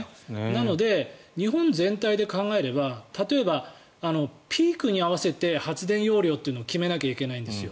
なので、日本全体で考えれば例えばピークに合わせて発電容量というのは決めないといけないんですよ。